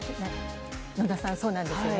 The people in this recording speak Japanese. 野田さん、そうなんですよね。